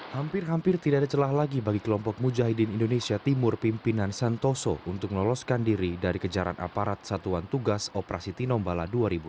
hampir hampir tidak ada celah lagi bagi kelompok mujahidin indonesia timur pimpinan santoso untuk meloloskan diri dari kejaran aparat satuan tugas operasi tinombala dua ribu enam belas